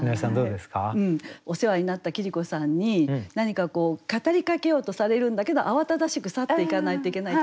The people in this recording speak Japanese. お世話になった桐子さんに何かこう語りかけようとされるんだけど慌ただしく去っていかないといけない。